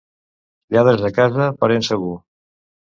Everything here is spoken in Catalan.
Lladres a casa, parent segur.